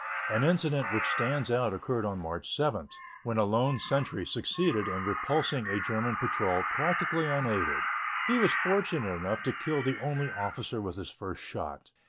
An incident which stands out occurred on March 7, when a lone sentry succeeded in repulsing a German patrol practically unaided. He was fortunate enough to kill the only officer with his first shot.